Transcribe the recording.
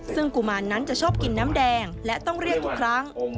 ซึ่งกุมารนั้นจะชอบกินน้ำแดงและต้องเรียกทุกครั้ง